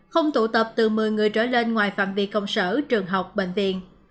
không tụ tập từ một mươi người trở lên ngoài phạm vi công sở trường học bệnh viện